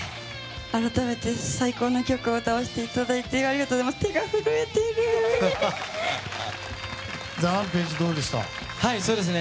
改めて最高な曲を歌わせていただいてありがとうございます。